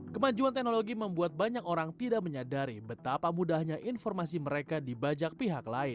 kemajuan teknologi membuat banyak orang tidak menyadari betapa mudahnya informasi mereka dibajak pihak lain